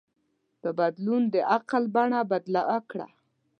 دا بدلون د عقل بڼه بدله کړه.